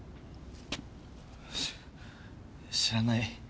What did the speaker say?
知らない。